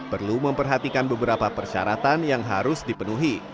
perlu memperhatikan beberapa persyaratan yang harus dipenuhi